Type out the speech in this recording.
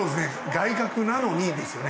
外角なのにですよね。